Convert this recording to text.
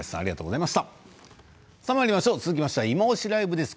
続いて「いまオシ！ＬＩＶＥ」です。